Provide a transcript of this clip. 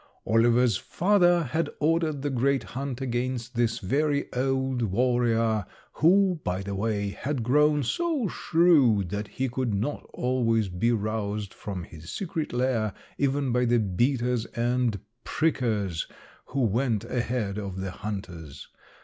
"Oliver's father had ordered the great hunt against this very old warrior, who, by the way, had grown so shrewd that he could not always be roused from his secret lair even by the beaters and prickers who went ahead of the hunters.